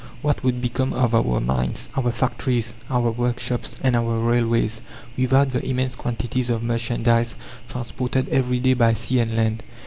What would become of our mines, our factories, our workshops, and our railways, without the immense quantities of merchandise transported every day by sea and land?